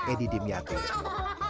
jadi saya berharga untuk mereka